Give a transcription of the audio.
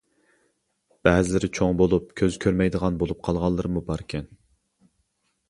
بەزىلىرى چوڭ بولۇپ كۆزى كۆرمەيدىغان بولۇپ قالغانلىرىمۇ باركەن.